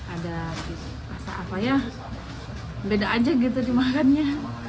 ada rasa apa ya beda aja gitu dimakannya